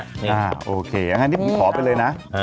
นี่อ่ะโอเคอ่ะนี่ขอไปเลยนะ